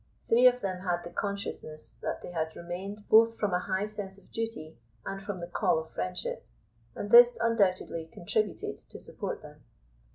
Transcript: Three of them had the consciousness that they had remained both from a high sense of duty and from the call of friendship, and this undoubtedly contributed to support them.